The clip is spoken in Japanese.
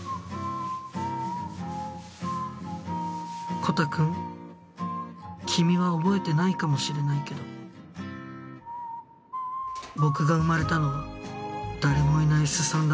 コタくん君は覚えてないかもしれないけど僕が生まれたのは誰もいないすさんだ